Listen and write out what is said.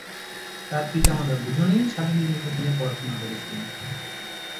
তার পিতামাতা দুজনেই শান্তিনিকেতনে পড়াশোনা করেছিলেন।